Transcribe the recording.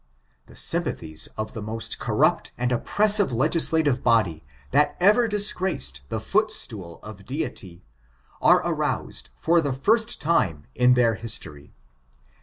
The sympathies of the most corrupt and oppressive legislative body that ever disgraced the foot stool of Deity, are aroused for the firtt time in their history.